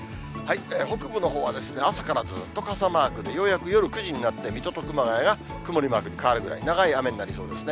北部のほうは朝からずっと傘マークで、ようやく夜９時になって、水戸と熊谷が曇りマークに変わるぐらい、長い雨になりそうですね。